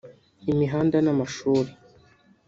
imihanda n’amashuri